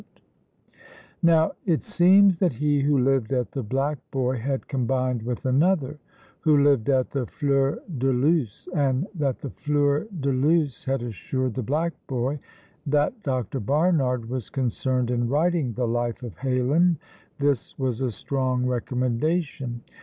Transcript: " Now, it seems that he who lived at the Black Boy had combined with another who lived at the Fleur de Luce, and that the Fleur de Luce had assured the Black Boy that Dr. Barnard was concerned in writing the Life of Heylin this was a strong recommendation.